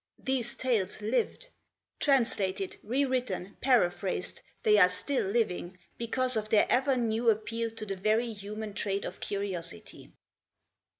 These tales lived. Translated, re written, paraphrased, they are still living, because of their ever new appeal to the very human trait of curiosity.